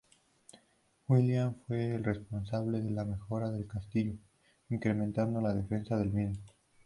William fue el responsable de la mejora del castillo, incrementando la defensa del mismo.